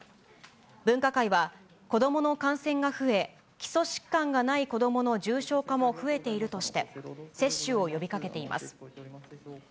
分科会は、子どもの感染が増え、基礎疾患がない子どもの重症化も増えているとして、接種を呼びかけています。